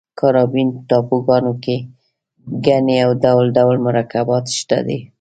کارابین ټاپوګانو کې ګني او ډول ډول مرکبات شته دي.